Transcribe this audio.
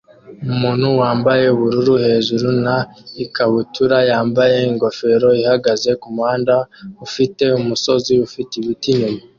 Umuntu wambaye ubururu hejuru na ikabutura yambaye ingofero ihagaze kumuhanda ufite umusozi ufite ibiti inyuma